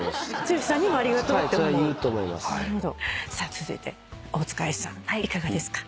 続いて大塚愛さんいかがですか？